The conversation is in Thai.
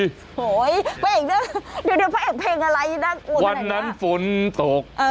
โหยพระเอกนึกดูพระเอกเพลงอะไรนะวันนั้นฝนตก